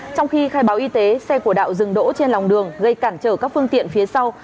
trong khi khai báo y tế xe của đạo dừng đỗ trên lòng đường gây cản trở các phương tiện phía sau